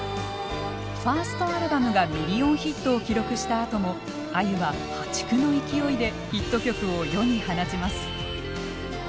ファーストアルバムがミリオンヒットを記録したあともあゆは破竹の勢いでヒット曲を世に放ちます。